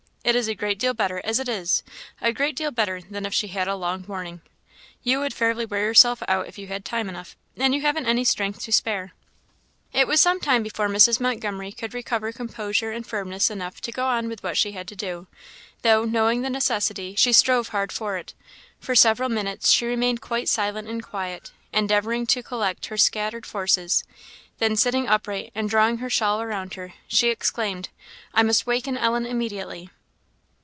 It is a great deal better as it is; a great deal better than if she had a long warning. You would fairly wear yourself out if you had time enough, and you haven't any strength to spare." It was some while before Mrs. Montgomery could recover composure and firmness enough to go on with what she had to do, though, knowing the necessity, she strove hard for it. For several minutes she remained quite silent and quiet, endeavouring to collect her scattered forces; then sitting upright and drawing her shawl around her, she exclaimed "I must waken Ellen immediately!"